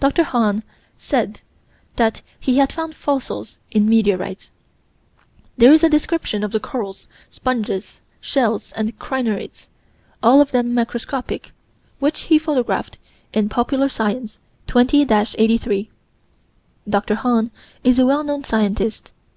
Dr. Hahn said that he had found fossils in meteorites. There is a description of the corals, sponges, shells, and crinoids, all of them microscopic, which he photographed, in Popular Science, 20 83. Dr. Hahn was a well known scientist.